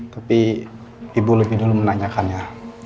tapi ibu lebih dulu menanyakannya